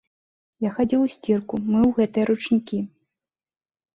Я хадзіў у сцірку, мыў гэтыя ручнікі.